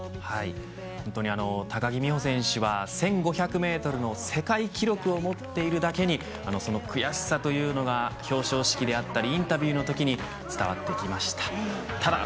本当に高木美帆選手は１５００メートルの世界記録を持っているだけにその悔しさというのが表彰式であったりインタビューの時に伝わってきました。